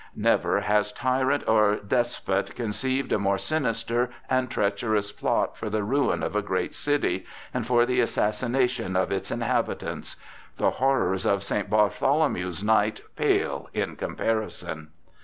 Never has tyrant or despot conceived a more sinister and treacherous plot for the ruin of a great city and for the assassination of its inhabitants. The horrors of St. Bartholomew's night pale in comparison.